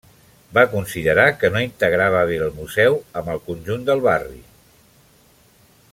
Va considerar que no integrava bé el museu amb el conjunt del barri.